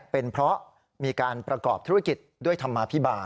เป็นเพราะมีการประกอบธุรกิจด้วยธรรมาภิบาล